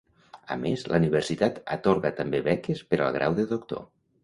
A més, la universitat atorga també beques per al grau de doctor.